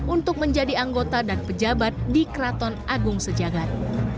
untuk menjadi anggota dan pejabat di keraton agung sejagat